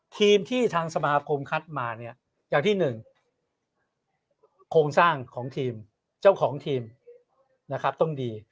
ทีมที่ทางสมาคมคัดมาเนี่ยอย่างที่หนึ่งโครงสร้างของทีมเจ้าของทีมนะครับต้องดี